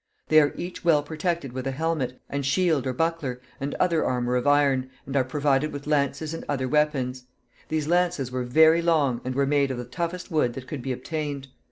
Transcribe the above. They are each well protected with a helmet, a shield or buckler, and other armor of iron, and are provided with lances and other weapons. These lances were very long, and were made of the toughest wood that could be obtained.